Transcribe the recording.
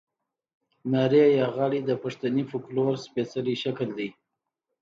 نارې یا غاړې د پښتني فوکلور سپېڅلی شکل دی.